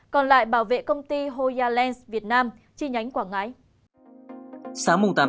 còn lại bảo vệ công ty hoya lens việt nam chi nhánh quảng ngãi